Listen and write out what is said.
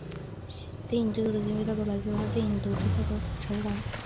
电影制作的经费大多来自他电影演出得到的酬劳。